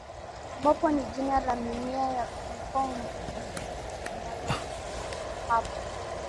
ambapo ni jina la mimea ya mkonge inayoota hapo